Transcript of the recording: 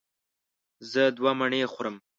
زه دوه مڼې خورم.